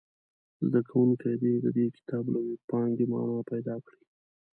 زده کوونکي دې د دې کتاب له وییپانګې معنا پیداکړي.